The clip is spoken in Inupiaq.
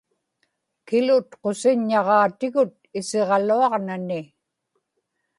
kilutqusiññaġuugaatigut isiġaluaġnani